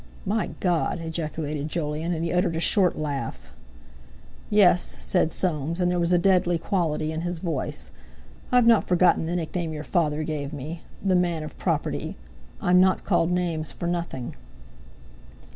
"My God!" ejaculated Jolyon, and he uttered a short laugh. "Yes," said Soames, and there was a deadly quality in his voice. "I've not forgotten the nickname your father gave me, 'The man of property'. I'm not called names for nothing."